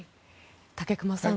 武隈さん